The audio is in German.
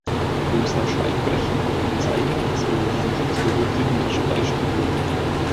Wir müssen das Schweigen brechen und zeigen, dass wir diesen schutzbedürftigen Menschen beistehen.